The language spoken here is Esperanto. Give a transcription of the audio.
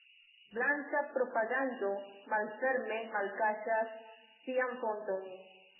Blanka propagando malferme malkaŝas sian fonton.